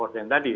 yang tadi ya